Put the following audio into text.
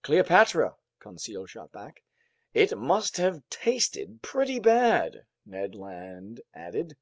"Cleopatra," Conseil shot back. "It must have tasted pretty bad," Ned Land added.